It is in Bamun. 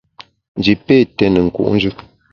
Nji pé té ne nku’njù.